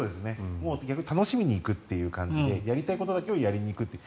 逆に楽しみに行くという感じでやりたいことだけをやるっていう。